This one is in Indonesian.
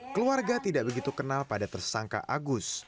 keluarga tidak begitu kenal pada tersangka agus